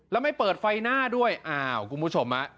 แล้วไม่เปิดไฟหน้าด้วยอ้าวคุณผู้ชมฮะ